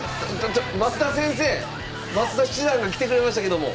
ちょ増田先生！増田七段が来てくれましたけども。